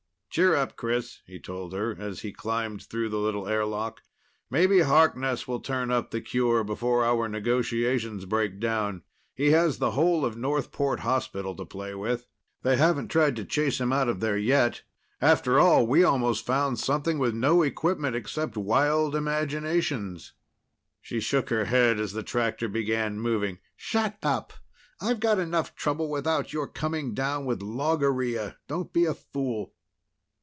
"Cheer up, Chris," he told her as he climbed through the little airlock. "Maybe Harkness will turn up the cure before our negotiations break down. He has the whole of Northport Hospital to play with. They haven't tried to chase him out of there yet. After all, we almost found something with no equipment except wild imaginations." She shook her head as the tractor began moving. "Shut up! I've got enough trouble without your coming down with logorrhea. Don't be a fool."